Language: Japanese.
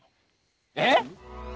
えっ！？